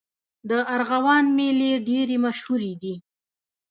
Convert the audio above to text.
د ارغوان میلې ډېرې مشهورې دي.